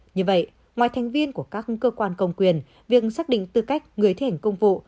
như vậy ngoài thành viên của các cơ quan công quyền việc xác định tư cách người thi hành công vụ